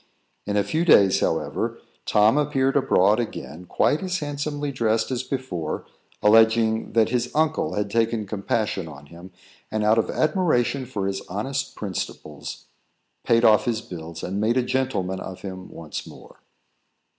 In a few days, however, Tom appeared abroad again, quite as handsomely dressed as before, alleging that his uncle had taken compassion on him, and, out of admiration for his honest principles, paid off his bills and made a gentleman of him once more.